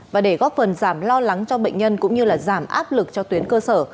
và để góp phần giảm lo lắng cho bệnh nhân cũng như giảm áp lực cho tuyến cơ sở